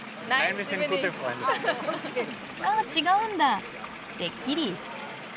あ違うんだてっきり。